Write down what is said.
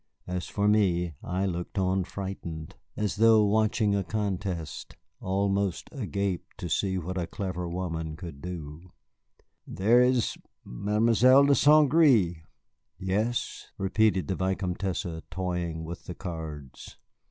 As for me, I looked on frightened, as though watching a contest, almost agape to see what a clever woman could do. "There is Mademoiselle de St. Gré " "Yes, there is Mademoiselle de St. Gré," repeated the Vicomtesse, toying with the cards.